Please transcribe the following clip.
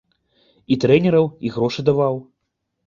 І трэнераў, і грошы даваў.